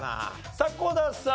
迫田さん